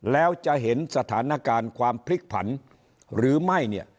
แล้วจะเห็นสถานการณ์ความพลิกผันหรือไม่เนี่ย